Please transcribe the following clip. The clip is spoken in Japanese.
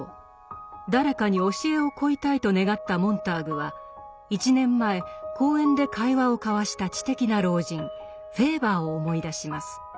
誰かに教えを乞いたいと願ったモンターグは１年前公園で会話を交わした知的な老人フェーバーを思い出します。